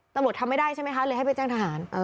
ตำรวจทำไม่ได้ใช่ไหมคะเลยให้ไปแจ้งทหาร